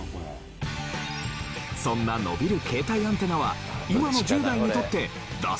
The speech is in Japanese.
そんな伸びる携帯アンテナは今の１０代にとってダサい？